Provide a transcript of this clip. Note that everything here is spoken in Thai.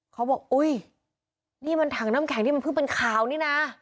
เขาบอกอุ้ยนี่มันถังน้ำแข็งที่มันเพิ่งเป็นข่าวนี่นะ